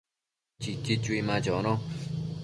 Chichi chui ma chono